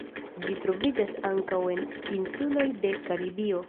Ĝi troviĝas ankaŭ en insuloj de Karibio.